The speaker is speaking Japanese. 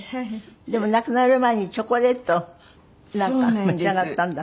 でも亡くなる前にチョコレートをなんか召し上がったんだって？